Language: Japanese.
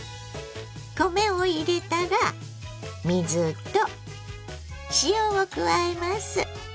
米を入れたら水と塩を加えます。